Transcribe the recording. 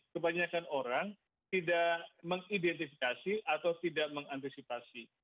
kebanyakan orang tidak mengidentifikasi atau tidak mengantisipasi